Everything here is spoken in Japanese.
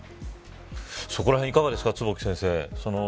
そこらへんいかがですか、坪木先生。